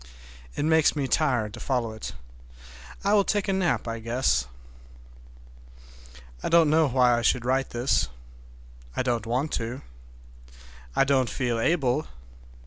It makes me tired to follow it. I will take a nap, I guess. I don't know why I should write this. I don't want to. I don't feel able.